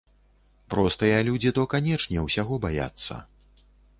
Простыя людзі то, канечне, усяго баяцца.